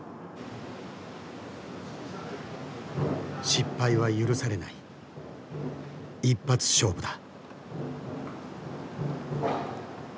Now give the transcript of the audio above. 失敗は許されない一発勝負だ。